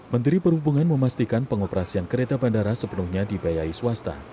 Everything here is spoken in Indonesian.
menteri perhubungan memastikan pengoperasian kereta bandara sepenuhnya dibayai swasta